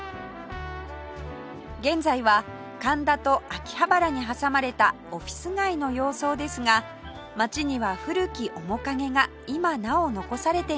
現在は神田と秋葉原に挟まれたオフィス街の様相ですが町には古き面影が今なお残されています